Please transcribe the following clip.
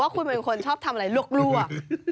คุณเป็นคนชอบทำอะไรลวก